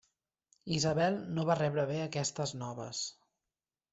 Isabel no va rebre bé aquestes noves.